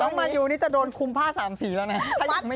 น้องมายูนี่จะโดนคุมผ้าสามสีแล้วนะ